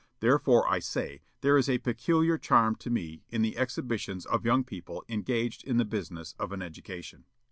Therefore, I say, there is a peculiar charm to me in the exhibitions of young people engaged in the business of an education."